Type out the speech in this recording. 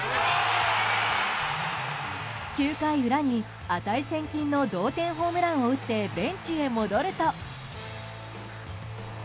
９回裏に値千金の同点ホームランを打ってベンチへ戻ると。